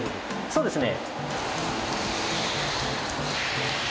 そうですね。